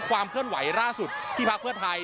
ความเคลื่อนไหวล่าสุดที่พักเพื่อไทย